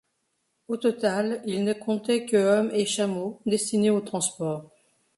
Au total, ils ne comptait que hommes et chameaux destinés au transport.